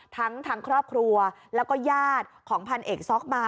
ทั้งทางครอบครัวแล้วก็ญาติของพันเอกซ็อกมา